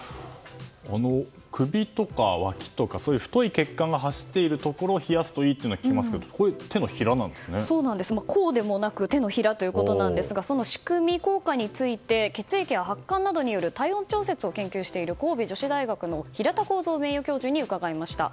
首とかわきとか太い血管が走っているところを冷やすといいというのは聞きますけど甲でもなく手のひらということなんですがその仕組み、効果について血液や発汗などによる体温調節を研究している神戸女子大学の平田耕造名誉教授に伺いました。